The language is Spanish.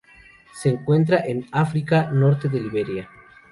Se encuentran en África: norte de Liberia.